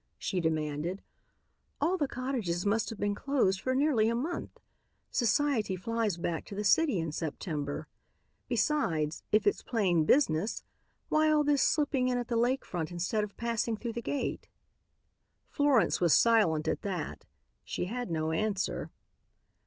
she demanded. "All the cottages must have been closed for nearly a month. Society flies back to the city in September. Besides, if it's plain business, why all this slipping in at the lake front instead of passing through the gate?" Florence was silent at that. She had no answer.